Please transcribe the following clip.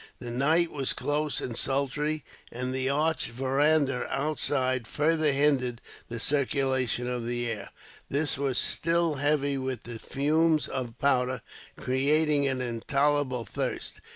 The night was close and sultry, and the arched veranda, outside, further hindered the circulation of the air. This was still heavy with the fumes of powder, creating an intolerable thirst.